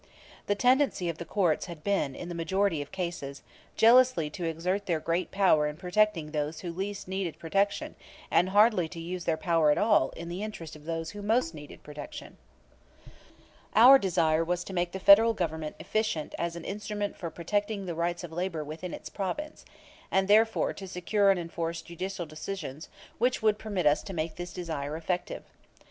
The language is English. The tendency of the courts had been, in the majority of cases, jealously to exert their great power in protecting those who least needed protection and hardly to use their power at all in the interest of those who most needed protection. Our desire was to make the Federal Government efficient as an instrument for protecting the rights of labor within its province, and therefore to secure and enforce judicial decisions which would permit us to make this desire effective.